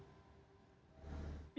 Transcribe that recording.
ya pertama ya